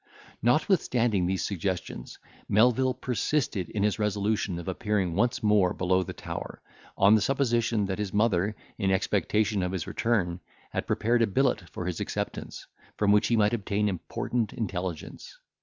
Notwithstanding these suggestions, Melvil persisted in his resolution of appearing once more below the tower, on the supposition that his mother, in expectation of his return, had prepared a billet for his acceptance, from which he might obtain important intelligence.